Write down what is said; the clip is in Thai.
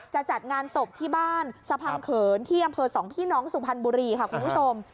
จะจัดงานศพที่บ้านสะพังเขินที่อำเภอสองพี่น้องสุพรรณบุรีค่ะคุณผู้ชม